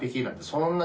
そんな。